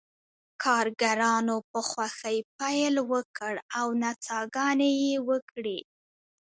کارګرانو په خوښۍ پیل وکړ او نڅاګانې یې وکړې